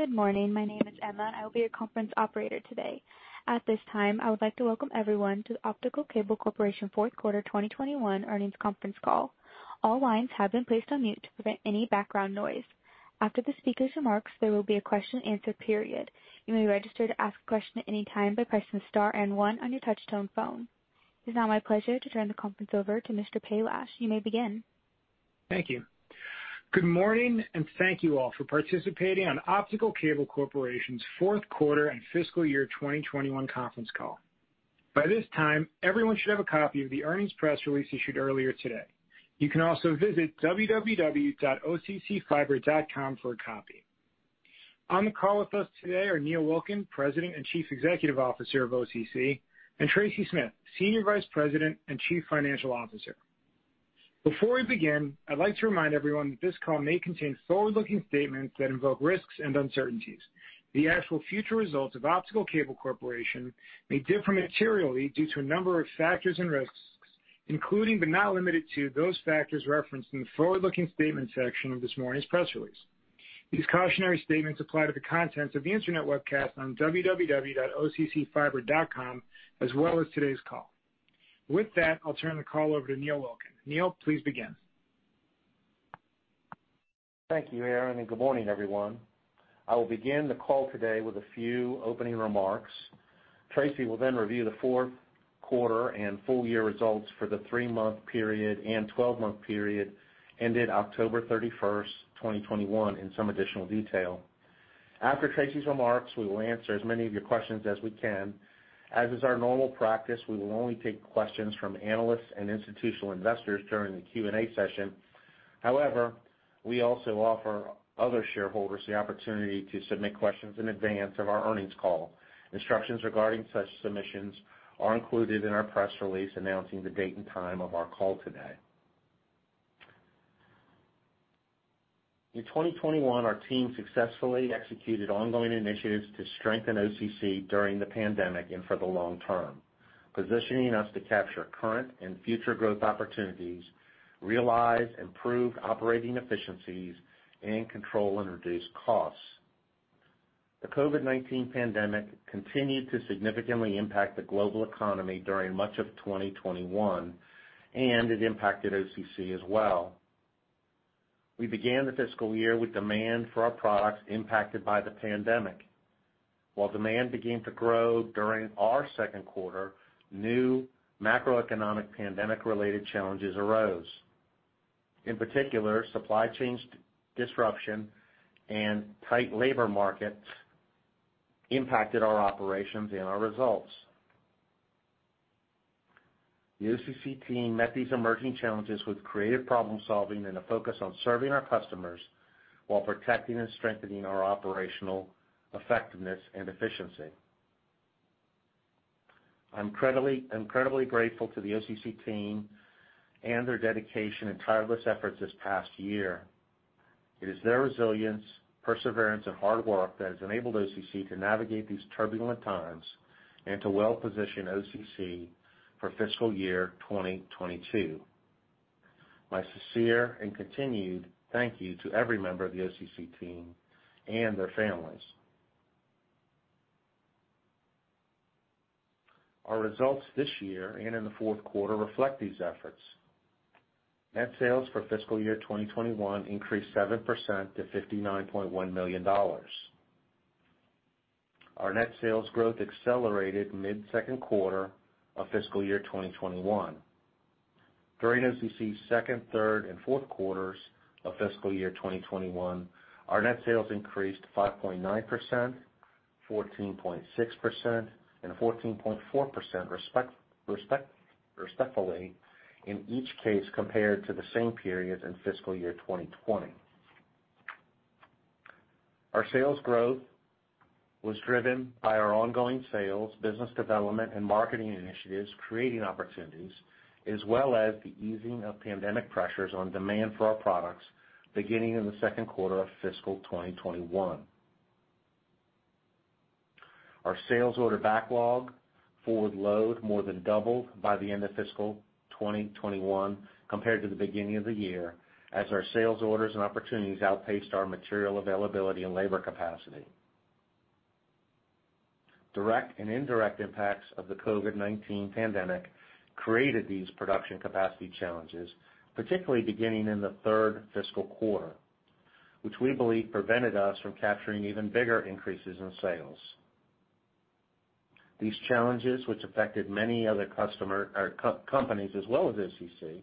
Good morning. My name is Emma, and I will be your conference operator today. At this time, I would like to welcome everyone to the Optical Cable Corporation fourth quarter 2021 earnings conference call. All lines have been placed on mute to prevent any background noise. After the speaker's remarks, there will be a question and answer period. You may register to ask a question at any time by pressing star and one on your touchtone phone. It's now my pleasure to turn the conference over to Mr. Palash. You may begin. Thank you. Good morning, and thank you all for participating on Optical Cable Corporation's fourth quarter and fiscal year 2021 conference call. By this time, everyone should have a copy of the earnings press release issued earlier today. You can also visit www.occfiber.com for a copy. On the call with us today are Neil Wilkin, President and Chief Executive Officer of OCC, and Tracy Smith, Senior Vice President and Chief Financial Officer. Before we begin, I'd like to remind everyone that this call may contain forward-looking statements that involve risks and uncertainties. The actual future results of Optical Cable Corporation may differ materially due to a number of factors and risks, including but not limited to those factors referenced in the forward-looking statement section of this morning's press release. These cautionary statements apply to the contents of the internet webcast on www.occfiber.com, as well as today's call. With that, I'll turn the call over to Neil Wilkin. Neil, please begin. Thank you, Aaron, and good morning, everyone. I will begin the call today with a few opening remarks. Tracy will then review the fourth quarter and full year results for the three-month period and 12-month period ended October 31st, 2021 in some additional detail. After Tracy's remarks, we will answer as many of your questions as we can. As is our normal practice, we will only take questions from analysts and institutional investors during the Q&A session. However, we also offer other shareholders the opportunity to submit questions in advance of our earnings call. Instructions regarding such submissions are included in our press release announcing the date and time of our call today. In 2021, our team successfully executed ongoing initiatives to strengthen OCC during the pandemic and for the long term, positioning us to capture current and future growth opportunities, realize improved operating efficiencies, and control and reduce costs. The COVID-19 pandemic continued to significantly impact the global economy during much of 2021, and it impacted OCC as well. We began the fiscal year with demand for our products impacted by the pandemic. While demand began to grow during our second quarter, new macroeconomic pandemic-related challenges arose. In particular, supply chains disruption and tight labor markets impacted our operations and our results. The OCC team met these emerging challenges with creative problem-solving and a focus on serving our customers while protecting and strengthening our operational effectiveness and efficiency. I'm incredibly grateful to the OCC team and their dedication and tireless efforts this past year. It is their resilience, perseverance, and hard work that has enabled OCC to navigate these turbulent times and to well position OCC for fiscal year 2022. My sincere and continued thank you to every member of the OCC team and their families. Our results this year and in the fourth quarter reflect these efforts. Net sales for fiscal year 2021 increased 7% to $59.1 million. Our net sales growth accelerated mid-second quarter of fiscal year 2021. During OCC's second, third, and fourth quarters of fiscal year 2021, our net sales increased 5.9%, 14.6%, and 14.4% respectively in each case compared to the same period in fiscal year 2020. Our sales growth was driven by our ongoing sales, business development, and marketing initiatives, creating opportunities, as well as the easing of pandemic pressures on demand for our products beginning in the second quarter of fiscal 2021. Our sales order backlog forward load more than doubled by the end of fiscal 2021 compared to the beginning of the year as our sales orders and opportunities outpaced our material availability and labor capacity. Direct and indirect impacts of the COVID-19 pandemic created these production capacity challenges, particularly beginning in the third fiscal quarter, which we believe prevented us from capturing even bigger increases in sales. These challenges, which affected many other customers or companies as well as OCC,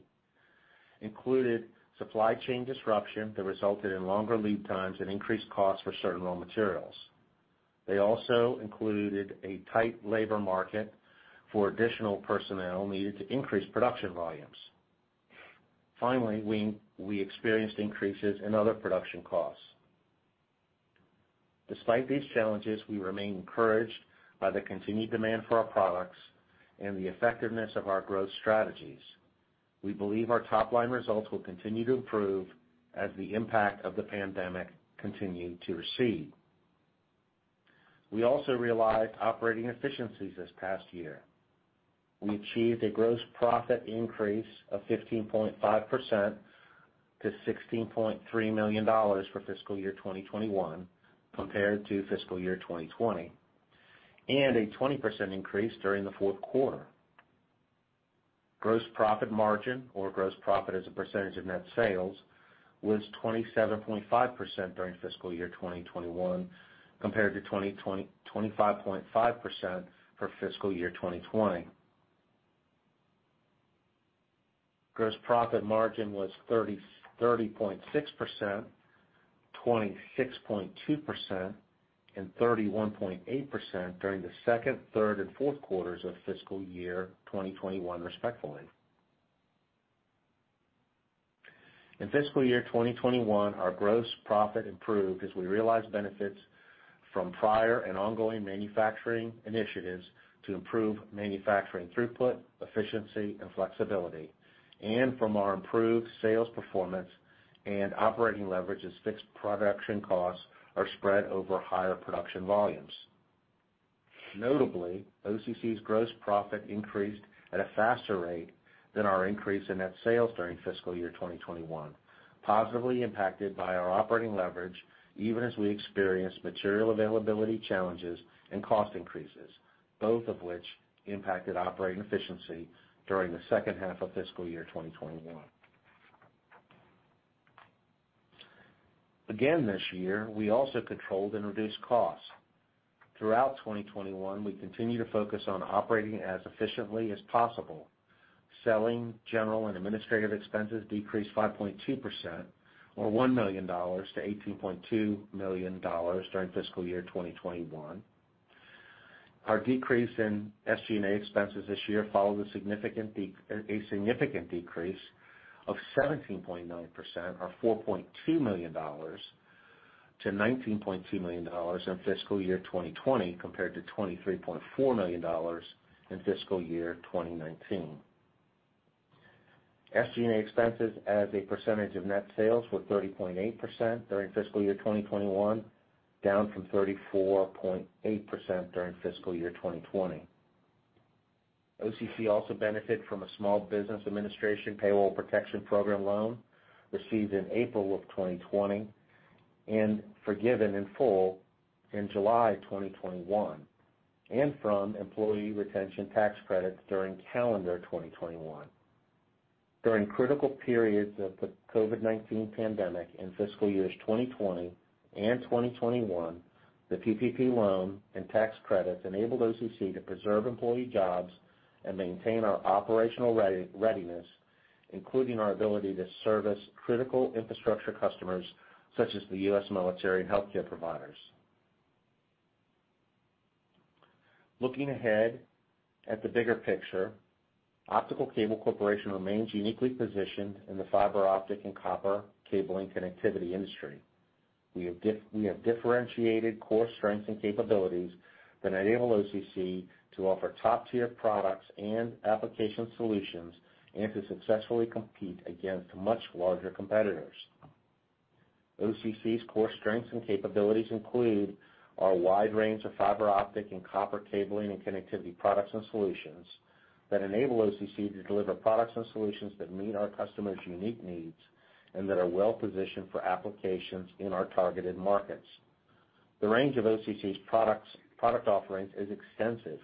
included supply chain disruption that resulted in longer lead times and increased costs for certain raw materials. They also included a tight labor market for additional personnel needed to increase production volumes. Finally, we experienced increases in other production costs. Despite these challenges, we remain encouraged by the continued demand for our products and the effectiveness of our growth strategies. We believe our top-line results will continue to improve as the impact of the pandemic continue to recede. We also realized operating efficiencies this past year. We achieved a gross profit increase of 15.5% to $16.3 million for fiscal year 2021 compared to fiscal year 2020, and a 20% increase during the fourth quarter. Gross profit margin or gross profit as a percentage of net sales was 27.5% during fiscal year 2021 compared to 25.5% for fiscal year 2020. Gross profit margin was 30.6%, 26.2%, and 31.8% during the second, third and fourth quarters of fiscal year 2021, respectively. In fiscal year 2021, our gross profit improved as we realized benefits from prior and ongoing manufacturing initiatives to improve manufacturing throughput, efficiency and flexibility, and from our improved sales performance and operating leverage as fixed production costs are spread over higher production volumes. Notably, OCC's gross profit increased at a faster rate than our increase in net sales during fiscal year 2021, positively impacted by our operating leverage even as we experienced material availability challenges and cost increases, both of which impacted operating efficiency during the second half of fiscal year 2021. Again this year, we also controlled and reduced costs. Throughout 2021, we continued to focus on operating as efficiently as possible. Selling, general and administrative expenses decreased 5.2% or $1 million to $18.2 million during fiscal year 2021. Our decrease in SG&A expenses this year follows a significant decrease of 17.9% or $4.2 million to $19.2 million in fiscal year 2020 compared to $23.4 million in fiscal year 2019. SG&A expenses as a percentage of net sales were 30.8% during fiscal year 2021, down from 34.8% during fiscal year 2020. OCC also benefit from a Small Business Administration Paycheck Protection Program loan received in April 2020 and forgiven in full in July 2021, and from employee retention tax credits during calendar 2021. During critical periods of the COVID-19 pandemic in fiscal years 2020 and 2021, the PPP loan and tax credits enabled OCC to preserve employee jobs and maintain our operational readiness, including our ability to service critical infrastructure customers such as the U.S. military and healthcare providers. Looking ahead at the bigger picture, Optical Cable Corporation remains uniquely positioned in the fiber optic and copper cabling connectivity industry. We have differentiated core strengths and capabilities that enable OCC to offer top-tier products and application solutions, and to successfully compete against much larger competitors. OCC's core strengths and capabilities include our wide range of fiber optic and copper cabling and connectivity products and solutions that enable OCC to deliver products and solutions that meet our customers' unique needs and that are well-positioned for applications in our targeted markets. The range of OCC's products, product offerings is extensive,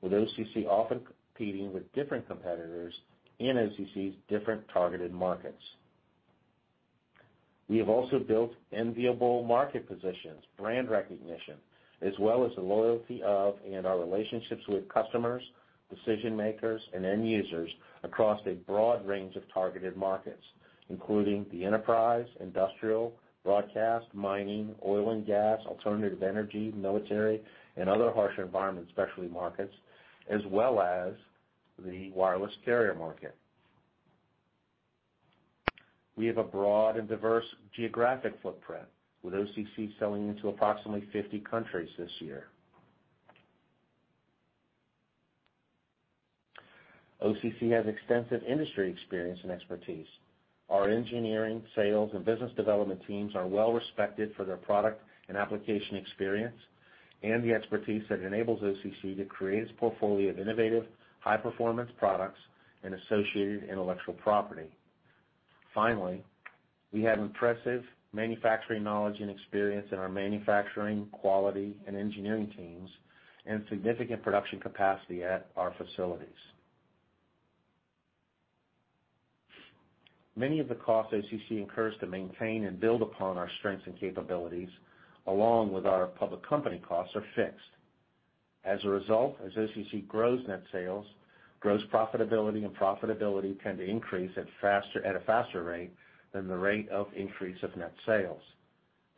with OCC often competing with different competitors in OCC's different targeted markets. We have also built enviable market positions, brand recognition, as well as the loyalty of and our relationships with customers, decision makers, and end users across a broad range of targeted markets, including the enterprise, industrial, broadcast, mining, oil and gas, alternative energy, military and other harsh environment specialty markets, as well as the wireless carrier market. We have a broad and diverse geographic footprint, with OCC selling into approximately 50 countries this year. OCC has extensive industry experience and expertise. Our engineering, sales, and business development teams are well respected for their product and application experience and the expertise that enables OCC to create its portfolio of innovative, high-performance products and associated intellectual property. Finally, we have impressive manufacturing knowledge and experience in our manufacturing, quality, and engineering teams, and significant production capacity at our facilities. Many of the costs OCC incurs to maintain and build upon our strengths and capabilities, along with our public company costs are fixed. As a result, as OCC grows net sales, gross profitability and profitability tend to increase at a faster rate than the rate of increase of net sales.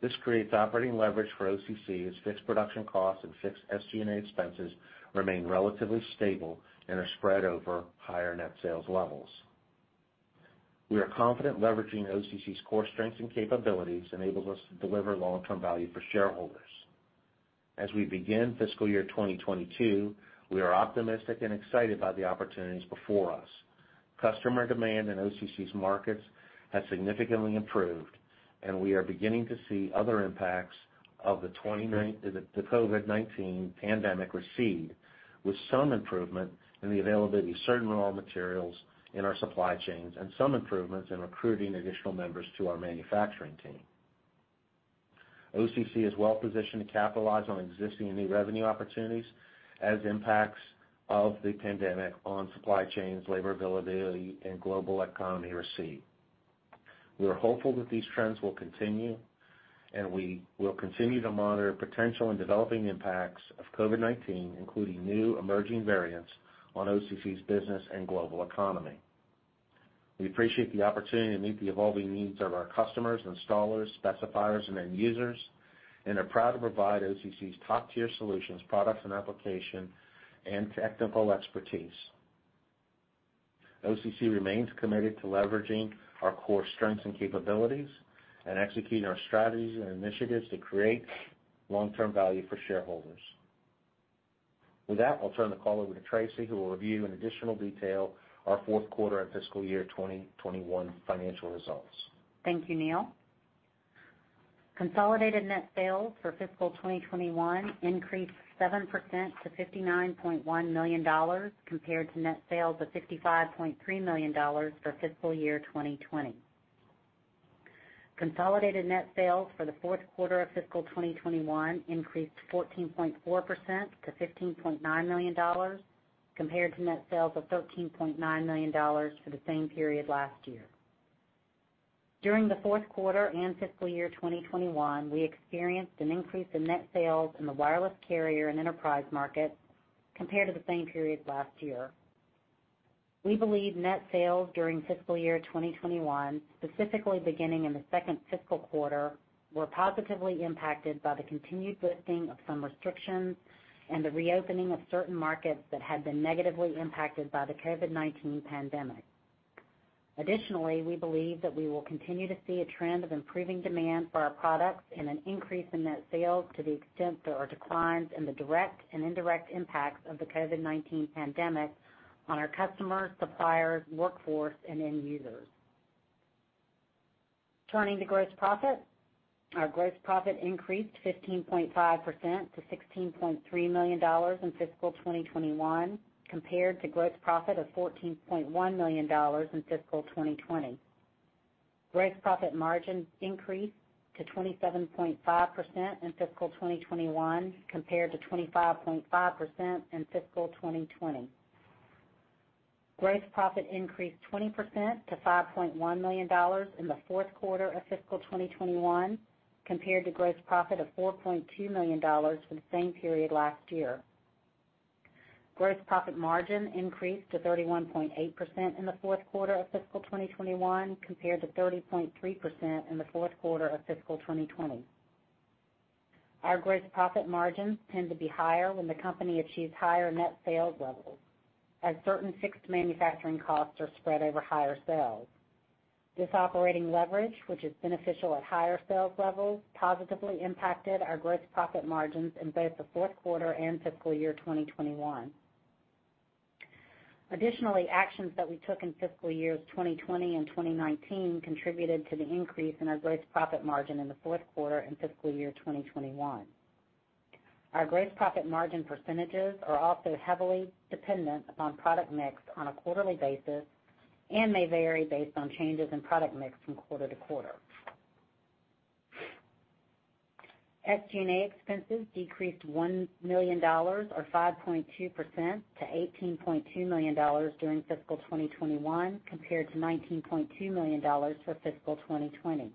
This creates operating leverage for OCC as fixed production costs and fixed SG&A expenses remain relatively stable and are spread over higher net sales levels. We are confident leveraging OCC's core strengths and capabilities enables us to deliver long-term value for shareholders. As we begin fiscal year 2022, we are optimistic and excited by the opportunities before us. Customer demand in OCC's markets has significantly improved, and we are beginning to see other impacts of the COVID-19 pandemic recede, with some improvement in the availability of certain raw materials in our supply chains and some improvements in recruiting additional members to our manufacturing team. OCC is well-positioned to capitalize on existing and new revenue opportunities as impacts of the pandemic on supply chains, labor availability, and global economy recede. We are hopeful that these trends will continue, and we will continue to monitor potential and developing impacts of COVID-19, including new emerging variants on OCC's business and global economy. We appreciate the opportunity to meet the evolving needs of our customers, installers, specifiers, and end users, and are proud to provide OCC's top-tier solutions, products and application, and technical expertise. OCC remains committed to leveraging our core strengths and capabilities and executing our strategies and initiatives to create long-term value for shareholders. With that, I'll turn the call over to Tracy, who will review in additional detail our fourth quarter and fiscal year 2021 financial results. Thank you, Neil. Consolidated net sales for fiscal 2021 increased 7% to $59.1 million compared to net sales of $55.3 million for fiscal year 2020. Consolidated net sales for the fourth quarter of fiscal 2021 increased 14.4% to $15.9 million compared to net sales of $13.9 million for the same period last year. During the fourth quarter and fiscal year 2021, we experienced an increase in net sales in the wireless carrier and enterprise markets compared to the same period last year. We believe net sales during fiscal year 2021, specifically beginning in the second fiscal quarter, were positively impacted by the continued lifting of some restrictions and the reopening of certain markets that had been negatively impacted by the COVID-19 pandemic. Additionally, we believe that we will continue to see a trend of improving demand for our products and an increase in net sales to the extent there are declines in the direct and indirect impacts of the COVID-19 pandemic on our customers, suppliers, workforce, and end users. Turning to gross profit. Our gross profit increased 15.5% to $16.3 million in fiscal 2021 compared to gross profit of $14.1 million in fiscal 2020. Gross profit margin increased to 27.5% in fiscal 2021 compared to 25.5% in fiscal 2020. Gross profit increased 20% to $5.1 million in the fourth quarter of fiscal 2021 compared to gross profit of $4.2 million for the same period last year. Gross profit margin increased to 31.8% in the fourth quarter of fiscal 2021 compared to 30.3% in the fourth quarter of fiscal 2020. Our gross profit margins tend to be higher when the company achieves higher net sales levels, as certain fixed manufacturing costs are spread over higher sales. This operating leverage, which is beneficial at higher sales levels, positively impacted our gross profit margins in both the fourth quarter and fiscal year 2021. Additionally, actions that we took in fiscal years 2020 and 2019 contributed to the increase in our gross profit margin in the fourth quarter and fiscal year 2021. Our gross profit margin percentages are also heavily dependent upon product mix on a quarterly basis and may vary based on changes in product mix from quarter to quarter. SG&A expenses decreased $1 million or 5.2% to $18.2 million during fiscal 2021 compared to $19.2 million for fiscal 2020.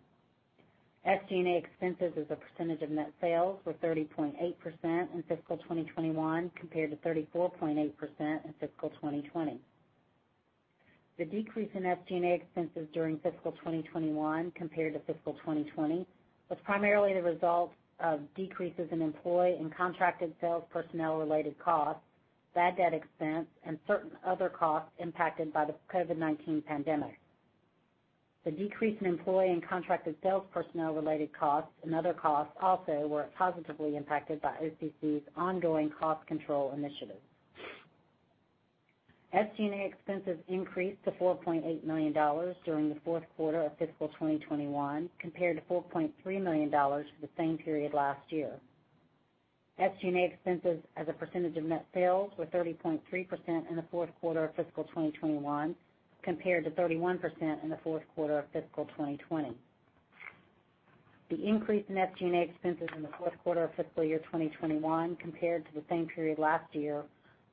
SG&A expenses as a percentage of net sales were 30.8% in fiscal 2021 compared to 34.8% in fiscal 2020. The decrease in SG&A expenses during fiscal 2021 compared to fiscal 2020 was primarily the result of decreases in employee and contracted sales personnel related costs, bad debt expense, and certain other costs impacted by the COVID-19 pandemic. The decrease in employee and contracted sales personnel related costs and other costs also were positively impacted by OCC's ongoing cost control initiatives. SG&A expenses increased to $4.8 million during the fourth quarter of fiscal 2021 compared to $4.3 million for the same period last year. SG&A expenses as a percentage of net sales were 30.3% in the fourth quarter of fiscal 2021 compared to 31% in the fourth quarter of fiscal 2020. The increase in SG&A expenses in the fourth quarter of fiscal year 2021 compared to the same period last year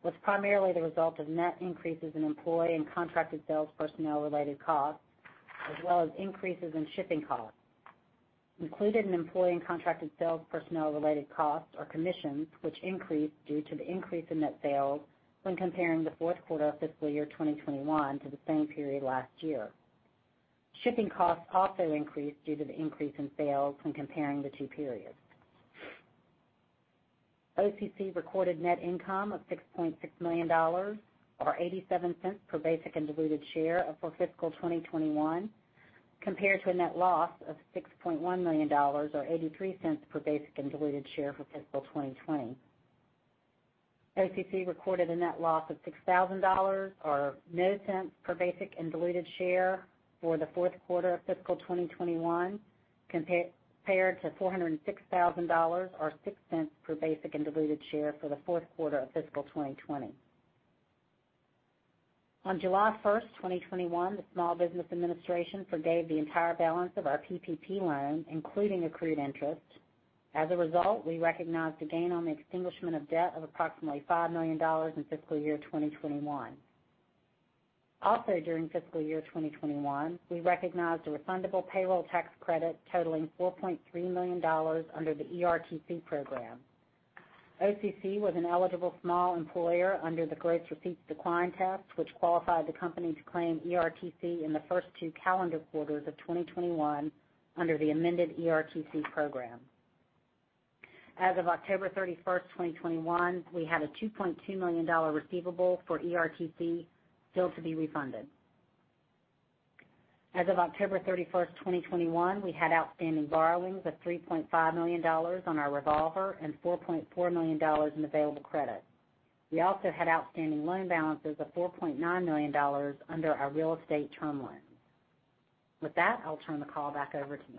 was primarily the result of net increases in employee and contracted sales personnel related costs as well as increases in shipping costs. Included in employee and contracted sales personnel related costs are commissions which increased due to the increase in net sales when comparing the fourth quarter of fiscal year 2021 to the same period last year. Shipping costs also increased due to the increase in sales when comparing the two periods. OCC recorded net income of $6.6 million or $0.87 per basic and diluted share for fiscal 2021 compared to a net loss of $6.1 million or $0.83 per basic and diluted share for fiscal 2020. OCC recorded a net loss of $6,000 or $0.00 per basic and diluted share for the fourth quarter of fiscal 2021, compared to $406,000 or $0.6 per basic and diluted share for the fourth quarter of fiscal 2020. On July 1st, 2021, the Small Business Administration forgave the entire balance of our PPP loan, including accrued interest. As a result, we recognized a gain on the extinguishment of debt of approximately $5 million in fiscal year 2021. Also, during fiscal year 2021, we recognized a refundable payroll tax credit totaling $4.3 million under the ERTC program. OCC was an eligible small employer under the gross receipts decline test, which qualified the company to claim ERTC in the first two calendar quarters of 2021 under the amended ERTC program. As of October 31st, 2021, we had a $2.2 million receivable for ERTC still to be refunded. As of October 31st, 2021, we had outstanding borrowings of $3.5 million on our revolver and $4.4 million in available credit. We also had outstanding loan balances of $4.9 million under our real estate term loan. With that, I'll turn the call back over to you.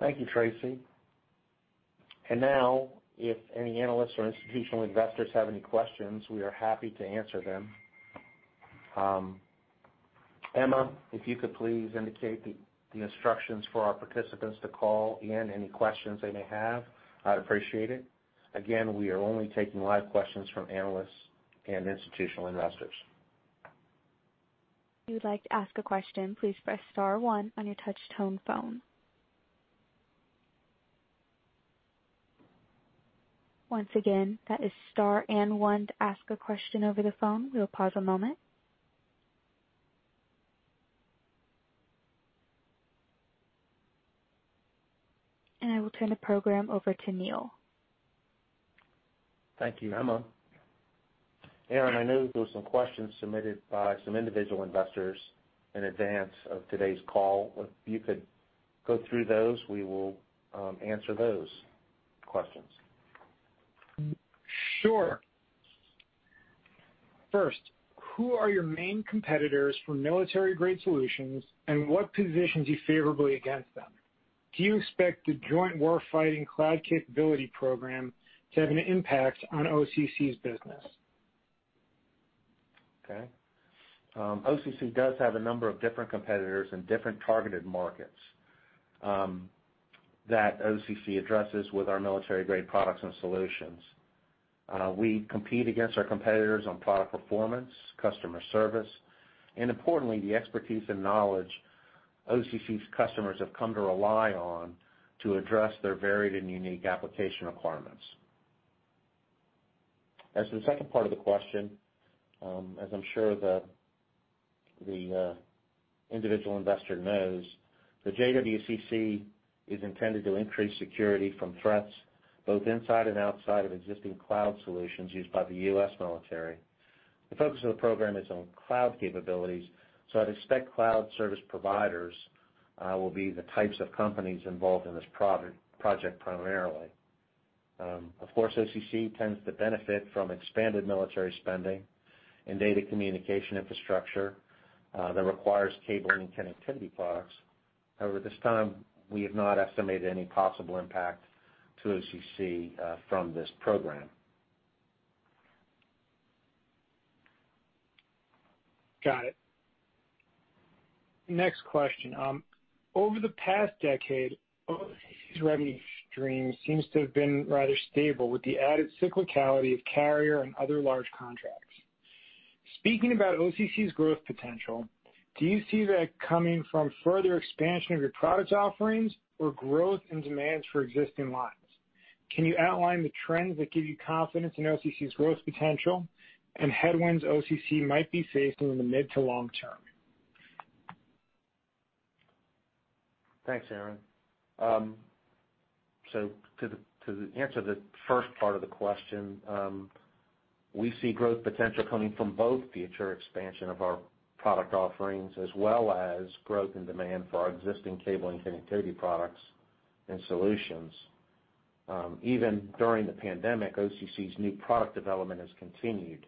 Thank you, Tracy. Now, if any analysts or institutional investors have any questions, we are happy to answer them. Emma, if you could please indicate the instructions for our participants to call in any questions they may have, I'd appreciate it. Again, we are only taking live questions from analysts and institutional investors. If you would like to ask as a question, please press star one on your touchtone phone. Once again, that is star and one to ask a question over the phone. We'll pause a moment. I will turn the program over to Neil. Thank you, Emma. Aaron, I know there were some questions submitted by some individual investors in advance of today's call. If you could go through those, we will answer those questions. Sure. First, who are your main competitors for military-grade solutions, and what positions you favorably against them? Do you expect the Joint Warfighting Cloud Capability Program to have an impact on OCC's business? Okay. OCC does have a number of different competitors in different targeted markets that OCC addresses with our military-grade products and solutions. We compete against our competitors on product performance, customer service, and importantly, the expertise and knowledge OCC's customers have come to rely on to address their varied and unique application requirements. As to the second part of the question, as I'm sure the individual investor knows, the JWCC is intended to increase security from threats both inside and outside of existing cloud solutions used by the U.S. military. The focus of the program is on cloud capabilities, so I'd expect cloud service providers will be the types of companies involved in this project primarily. Of course, OCC tends to benefit from expanded military spending and data communication infrastructure that requires cabling and connectivity products. However, at this time, we have not estimated any possible impact to OCC from this program. Got it. Next question. Over the past decade, OCC's revenue stream seems to have been rather stable with the added cyclicality of carrier and other large contracts. Speaking about OCC's growth potential, do you see that coming from further expansion of your product offerings or growth and demands for existing lines? Can you outline the trends that give you confidence in OCC's growth potential and headwinds OCC might be facing in the mid to long term? Thanks, Aaron. To answer the first part of the question, we see growth potential coming from both future expansion of our product offerings as well as growth in demand for our existing cable and connectivity products and solutions. Even during the pandemic, OCC's new product development has continued.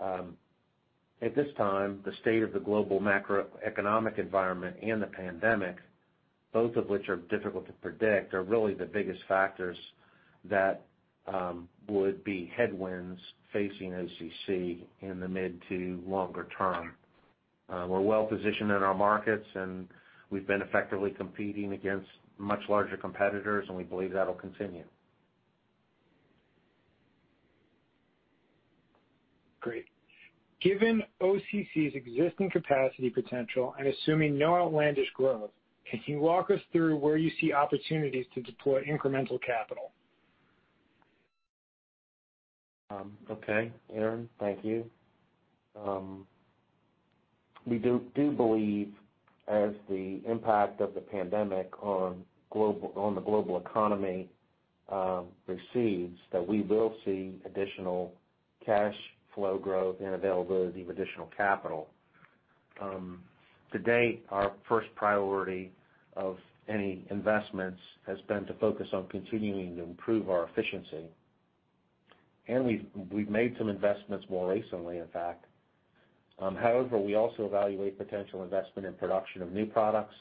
At this time, the state of the global macroeconomic environment and the pandemic, both of which are difficult to predict, are really the biggest factors that would be headwinds facing OCC in the mid to longer term. We're well positioned in our markets, and we've been effectively competing against much larger competitors, and we believe that'll continue. Great. Given OCC's existing capacity potential and assuming no outlandish growth, can you walk us through where you see opportunities to deploy incremental capital? Okay, Aaron, thank you. We do believe as the impact of the pandemic on the global economy recedes, that we will see additional cash flow growth and availability of additional capital. To date, our first priority of any investments has been to focus on continuing to improve our efficiency. We've made some investments more recently, in fact. However, we also evaluate potential investment in production of new products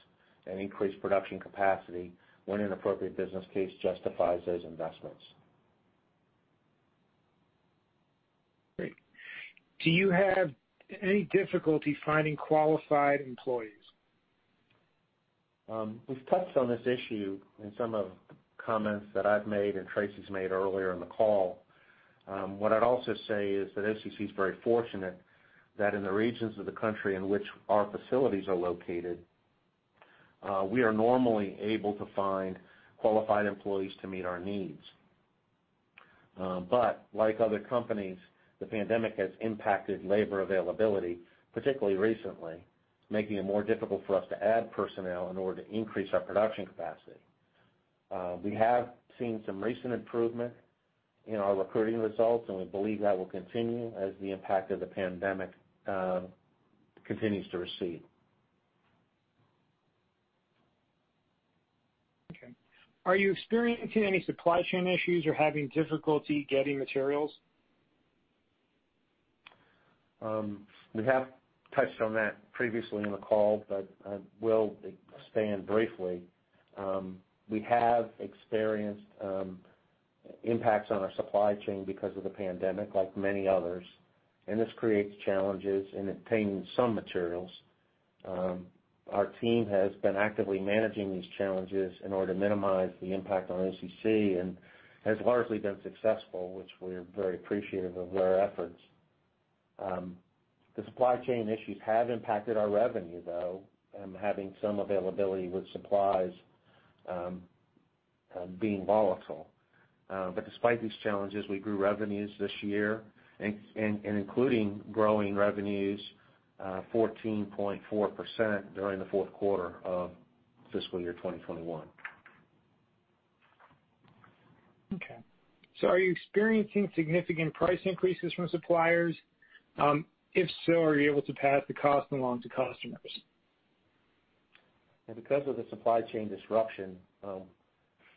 and increase production capacity when an appropriate business case justifies those investments. Great. Do you have any difficulty finding qualified employees? We've touched on this issue in some of the comments that I've made and Tracy's made earlier in the call. What I'd also say is that OCC is very fortunate that in the regions of the country in which our facilities are located, we are normally able to find qualified employees to meet our needs. Like other companies, the pandemic has impacted labor availability, particularly recently, making it more difficult for us to add personnel in order to increase our production capacity. We have seen some recent improvement in our recruiting results, and we believe that will continue as the impact of the pandemic continues to recede. Okay. Are you experiencing any supply chain issues or having difficulty getting materials? We have touched on that previously in the call, but I will expand briefly. We have experienced impacts on our supply chain because of the pandemic, like many others, and this creates challenges in obtaining some materials. Our team has been actively managing these challenges in order to minimize the impact on OCC, and has largely been successful, which we're very appreciative of their efforts. The supply chain issues have impacted our revenue, though, having some availability with supplies being volatile. Despite these challenges, we grew revenues this year, and including growing revenues 14.4% during the fourth quarter of fiscal year 2021. Are you experiencing significant price increases from suppliers? If so, are you able to pass the cost along to customers? Because of the supply chain disruption,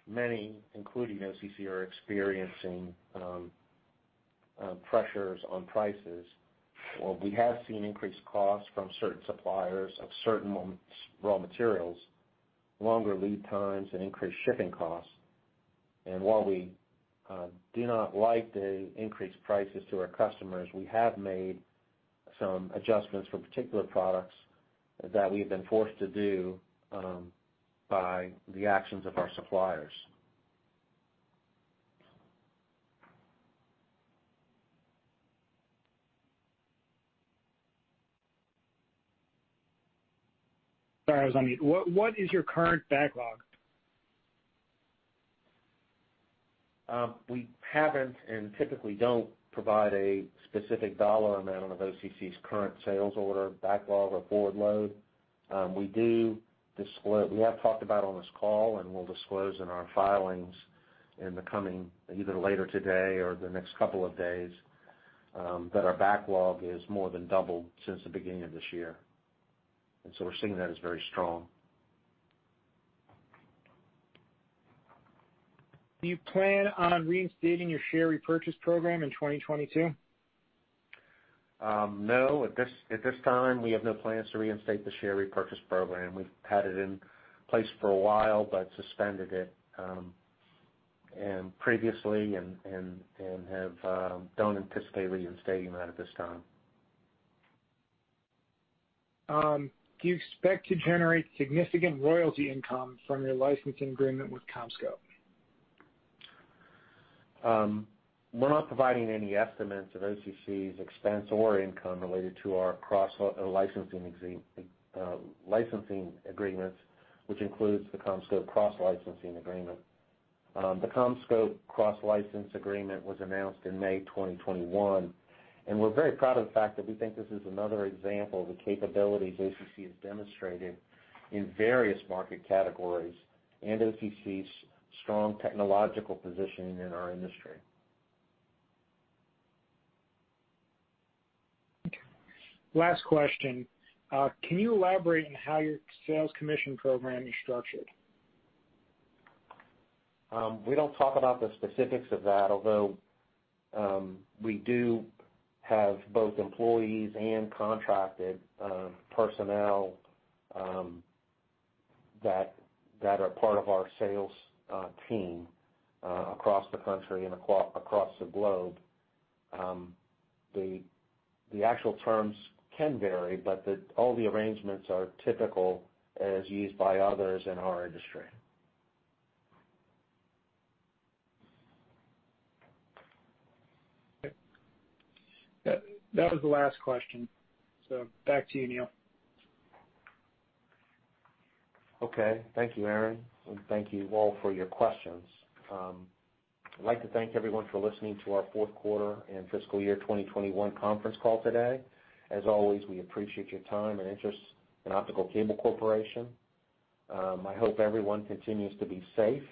many, including OCC, are experiencing pressures on prices. While we have seen increased costs from certain suppliers of certain raw materials, longer lead times, and increased shipping costs, and while we do not like the increased prices to our customers, we have made some adjustments for particular products that we've been forced to do by the actions of our suppliers. Sorry, I was on mute. What is your current backlog? We haven't and typically don't provide a specific dollar amount of OCC's current sales order backlog or forward load. We have talked about on this call and we'll disclose in our filings in the coming, either later today or the next couple of days, that our backlog has more than doubled since the beginning of this year. We're seeing that as very strong. Do you plan on reinstating your share repurchase program in 2022? No. At this time, we have no plans to reinstate the share repurchase program. We've had it in place for a while, but suspended it previously and don't anticipate reinstating that at this time. Do you expect to generate significant royalty income from your licensing agreement with CommScope? We're not providing any estimates of OCC's expense or income related to our cross-licensing agreements, which includes the CommScope cross-licensing agreement. The CommScope cross-licensing agreement was announced in May 2021, and we're very proud of the fact that we think this is another example of the capabilities OCC has demonstrated in various market categories and OCC's strong technological positioning in our industry. Last question. Can you elaborate on how your sales commission program is structured? We don't talk about the specifics of that, although we do have both employees and contracted personnel that are part of our sales team across the country and across the globe. The actual terms can vary, but all the arrangements are typical as used by others in our industry. Okay. That was the last question. Back to you, Neil. Okay. Thank you, Aaron, and thank you all for your questions. I'd like to thank everyone for listening to our fourth quarter and fiscal year 2021 conference call today. As always, we appreciate your time and interest in Optical Cable Corporation. I hope everyone continues to be safe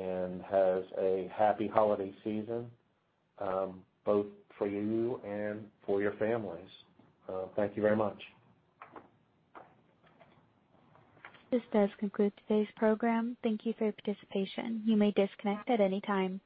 and has a happy holiday season, both for you and for your families. Thank you very much. This does conclude today's program. Thank you for your participation. You may disconnect at any time.